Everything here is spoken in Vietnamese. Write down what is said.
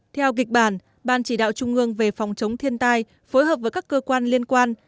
theo kịch bản ban chỉ đạo trung ương về phòng chống thiên tai phối hợp với các cơ quan liên quan